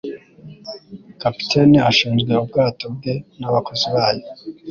Kapiteni ashinzwe ubwato bwe nabakozi bayo. .